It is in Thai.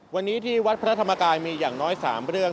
วันนี้ที่วัดพระธรรมกายมีอย่างน้อย๓เรื่อง